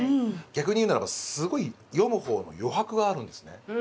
逆に言うならばすごい読む方の余白があるんですね。